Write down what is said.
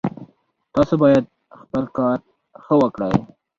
تاسو باید خپل کار ښه وکړئ